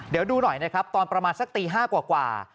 เดี๋ยวดูหน่อยนะครับตอนประมาณสักตี๕กว่า